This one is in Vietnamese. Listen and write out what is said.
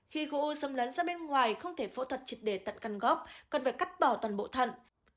khi khối u xâm lấn ra bên ngoài không thể phẫu thuật trịt để tận căn gốc cần phải cắt bỏ toàn bộ thận